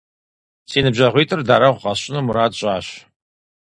Си ныбжьэгъуитӏыр дарэгъу къэсщӀыну мурад сщӀащ.